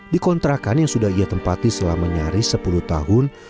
di kontrakan yang sudah ia tempati selama nyaris sepuluh tahun